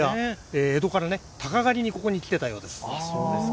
江戸からたか狩りにここに来ていたようです。